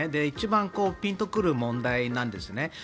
一番ピンと来る問題なんですね。